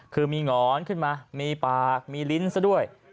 คือมีง้อนขึ้นมามีปากมีลิ้นทร์เด้อย